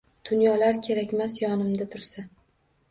Dunyolar kerkmas yonimda tursa